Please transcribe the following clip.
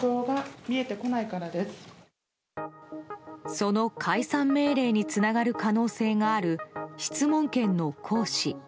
その解散命令につながる可能性がある質問権の行使。